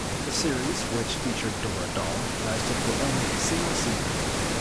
The series, which featured Dora Doll, lasted for only a single season.